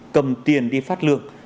cầm tiền đi phát lương